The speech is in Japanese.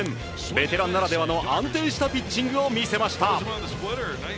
ベテランならではの安定したピッチングを見せました。